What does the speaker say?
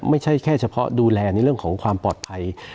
ไม่ใช่แค่เฉพาะดูแลในเรื่องของความปลอดภัย